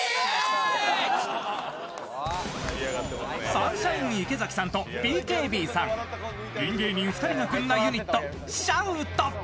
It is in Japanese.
サンシャイン池崎さんとＢＫＢさんピン芸人２人が組んだユニット、シャウト。